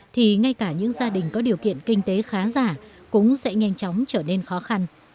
thì ngay cả những gia đình có điều kiện kinh tế khá giả cũng sẽ nhanh chóng trở nên khó khăn